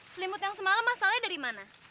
selimut yang semalam asalnya dari mana